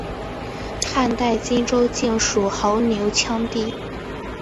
汉代今州境属牦牛羌地。